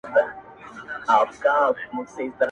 • او منلي هوښیارانو د دنیا دي -